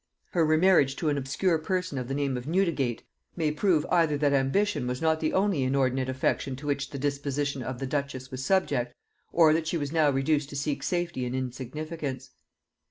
Her remarriage to an obscure person of the name of Newdigate, may prove, either that ambition was not the only inordinate affection to which the disposition of the duchess was subject, or that she was now reduced to seek safety in insignificance.